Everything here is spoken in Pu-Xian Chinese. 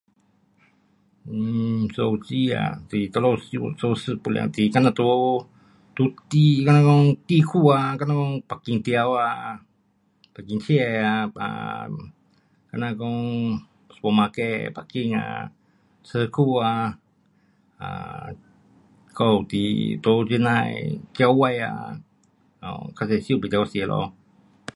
um 手机啊，在哪里收视不良 um 好像在地，地库啊好像讲 parking 条啊，parking 车啊，好像讲 supermarket parking 啊，车库啊，还有时在这呐的郊外啊，um 较多收不到线咯。